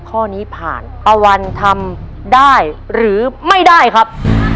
ข้อนี้ผ่านตะวันทำได้หรือไม่ได้ครับ